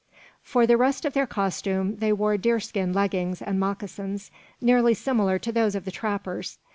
For the rest of their costume they wore deer skin leggings and moccasins, nearly similar to those of the trappers.